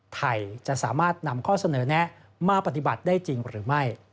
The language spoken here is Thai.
ไทยจะสามารถนำข้อเสนอแนะมาปฏิบัติได้จริงหรือไม่